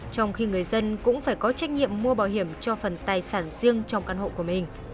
trong khi người dân cũng phải có trách nhiệm mua bảo hiểm cho phần tài sản riêng trong căn hộ của mình